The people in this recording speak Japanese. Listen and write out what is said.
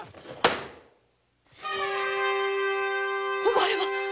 お前は？